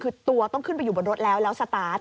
คือตัวต้องขึ้นไปอยู่บนรถแล้วแล้วสตาร์ท